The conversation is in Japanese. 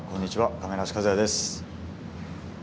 亀梨和也です。